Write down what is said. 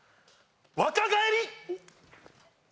若返り！